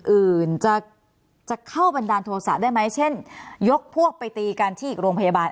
อื่นจะจะเข้าบันดาลโทษะได้ไหมเช่นยกพวกไปตีกันที่อีกโรงพยาบาล